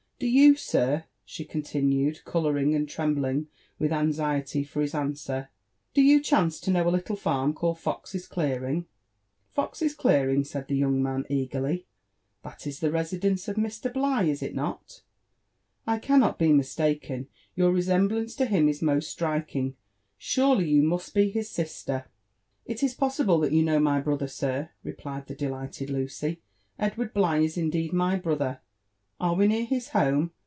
''Do you, sir," she continued, colouring and trembling with anxiety for his answer, —do you chance to know a little farm called Fox's clearing?" " Fox's clearing?" said the young man eagerly; "that is the resi dence of Mr. Bligh — is it not? I cannot be mistaken, your resem blance to him is most striking,— surely, you must be his sister f '* Is it possible that you know my brother, sir ?" replied the delighted Liicy. "Edward Bligh is indeed my brother. Are we near his home?